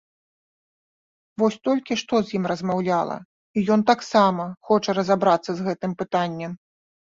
Вось толькі што з ім размаўляла, і ён таксама хоча разабрацца з гэтым пытаннем!